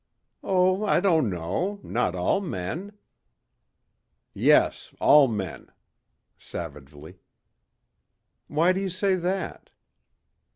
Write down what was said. "Oh I don't know. Not all men." "Yes. All men." Savagely. "Why do you say that?"